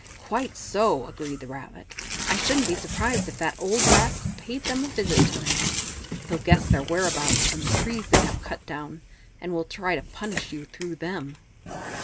"Quite so!" agreed the Rabbit. "I shouldn't be surprised if that old rascal paid them a visit to night. He'll guess their whereabouts from the trees they have cut down, and will try to punish you through them."